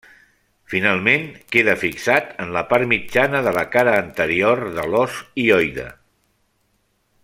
Finalment, queda fixat en la part mitjana de la cara anterior de l'os hioide.